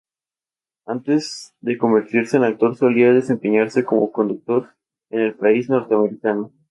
Antes de convertirse en actor, solía desempeñarse como conductor en el país norteamericano.